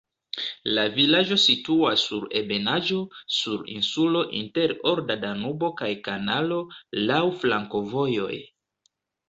La vilaĝo situas sur ebenaĵo, sur insulo inter olda Danubo kaj kanalo, laŭ flankovojoj.